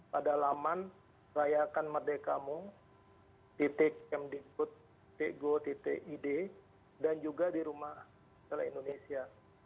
pada laman rayakanmerdekamu mdkud go id dan juga di rumah kisah indonesia